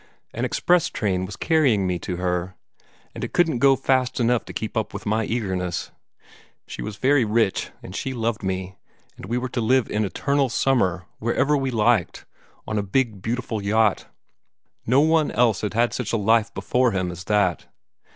An express train was carrying me to her, and it couldn't go fast enough to keep up with my eagerness. She was very rich, and she loved me, and we were to live in eternal summer, wherever we liked, on a big, beautiful yacht. No one else had such a life before him as that.